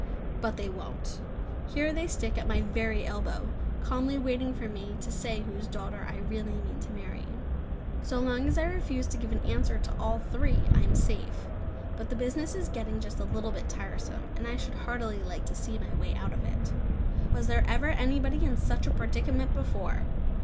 But they won't; here they stick at my very elbow, calmly waiting for me to say whose daughter I really mean to marry. So long as I refuse to give an answer to all three, I am safe; but the business is getting just a little bit tiresome, and I should heartily like to see my way out of it. Was there ever anybody in such a predicament before!